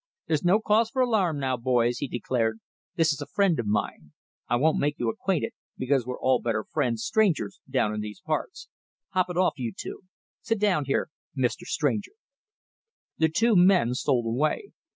"There's no cause for alarm, now, boys," he declared. "This is a friend of mine. I won't make you acquainted, because we're all better friends strangers down in these parts. Hop it off, you two. Sit down here, Mr. Stranger." The two men stole away.